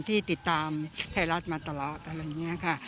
ที่ติดตามไทยรัฐมาตลอดอะไรอย่างนี้ค่ะ